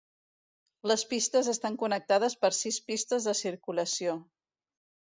Les pistes estan connectades per sis pistes de circulació.